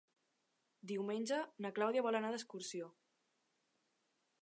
Diumenge na Clàudia vol anar d'excursió.